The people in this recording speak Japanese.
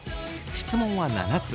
質問は７つ。